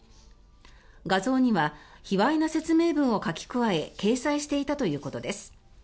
画像にはひわいな説明文を書き加え掲載していたということです。